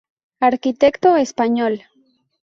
Arquitecto español.